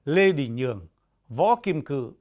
lê đình nhường võ kim cử